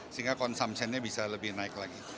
sehingga consumption nya bisa lebih naik lagi